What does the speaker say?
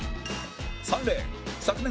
３レーン昨年